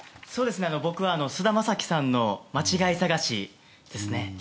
僕は菅田将暉さんの「まちがいさがし」ですね。